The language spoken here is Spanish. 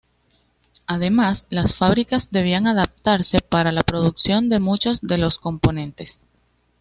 Además las fábricas debían adaptarse para la producción de muchos de los componentes.